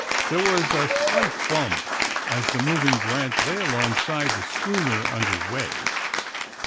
There was a slight bump as the moving '^ Grant" lay alongside the schooner under way.